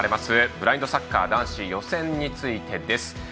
ブラインドサッカー男子予選についてです。